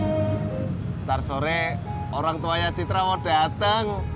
ntar sore orang tuanya citra mau dateng